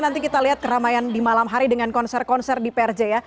nanti kita lihat keramaian di malam hari dengan konser konser di prj ya